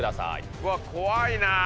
うわっ怖いな。